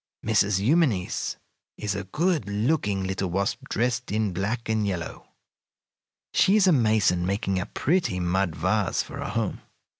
"Mrs. Eumenes is a good looking little wasp dressed in black and yellow. She is a mason, making a pretty mud vase for a home.